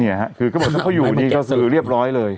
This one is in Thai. เนี่ยฮะคือเขาบอกถ้าเขาอยู่นี่ก็คือเรียบร้อยเลย